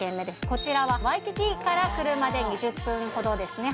こちらはワイキキから車で２０分ほどですね